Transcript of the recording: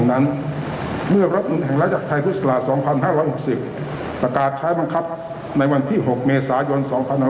ดังนั้นเมื่อรวมรวมแห่งรัฐกาศไทยครุฑศาสตรา๒๕๖๐ประกาศใช้บังคับในวันที่๖เมษายน๒๕๖๐